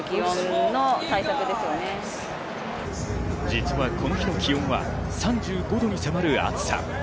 実はこの日の気温は３５度に迫る暑さ。